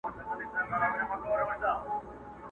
په هغه ورځ یې مرګی ورسره مل وي!!